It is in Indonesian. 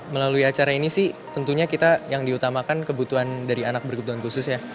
melalui acara ini sih tentunya kita yang diutamakan kebutuhan dari anak berkebutuhan khusus ya